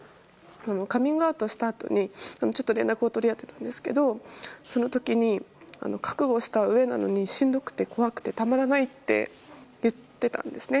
カミングアウトしたあとに連絡を取り合ってたんですけどその時に、覚悟したうえなのにしんどくて怖くてたまらないって言ってたんですね。